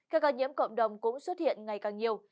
các ca nhiễm cộng đồng cũng xuất hiện ngày càng nhiều